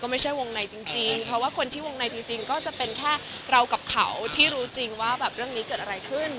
ไม่ใช่วงในจริงเพราะว่าคนที่วงในจริงก็จะเป็นแค่เรากับเขาที่รู้จริงว่าแบบเรื่องนี้เกิดอะไรขึ้น